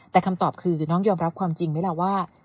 แต่คำตอบคือน้องยอมรับความจริงไหมล่ะว่า